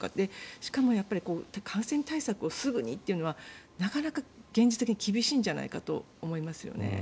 しかも感染対策をすぐにというのはなかなか現実的に厳しいんじゃないかと思いますよね。